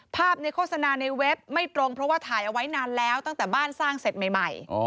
ภาพในโฆษณาในเว็บไม่ตรงเพราะว่าถ่ายเอาไว้นานแล้วตั้งแต่บ้านสร้างเสร็จใหม่